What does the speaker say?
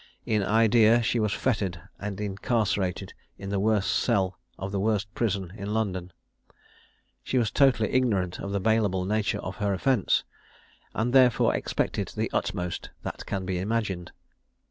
In idea she was fettered and incarcerated in the worst cell of the worst prison in London. She was totally ignorant of the bailable nature of her offence, and therefore expected the utmost that can be imagined.